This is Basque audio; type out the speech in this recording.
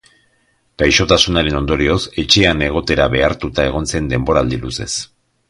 Gaixotasunaren ondorioz, etxean egotera behartuta egon zen denboraldi luzez.